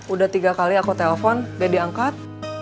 udah tiga kali aku telpon udah diangkat